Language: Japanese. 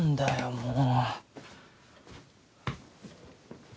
もう。